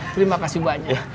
terima kasih banyak